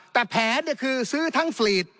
แต่แผนคือซื้อทั้งฟลีด